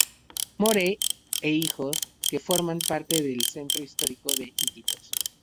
Morey e Hijos que forman parte del centro histórico de Iquitos.